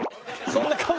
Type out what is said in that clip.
そんな顔。